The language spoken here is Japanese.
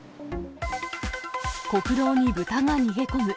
国道に豚が逃げ込む。